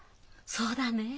そうだねえ。